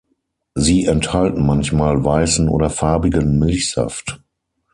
Sie enthalten manchmal weißen oder farbigen Milchsaft.